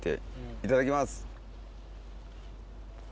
いただきます。